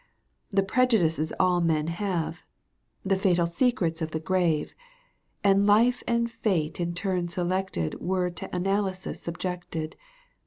The prejudices all men have, The fatal secrets of the grave, And life and fate in turn selected Were to analysis su^g^gted.